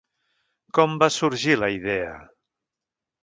Com va sorgir la idea?